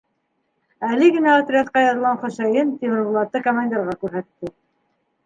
Әле генә отрядҡа яҙылған Хөсәйен Тимербулатты командирға күрһәтте: